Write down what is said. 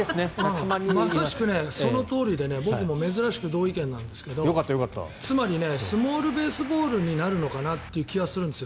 まさにそのとおりで僕も珍しく同意見なんですがつまりスモールベースベールになる気はするんです。